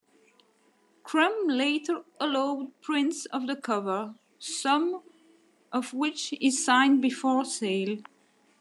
Crumb later allowed prints of the cover, some of which he signed before sale.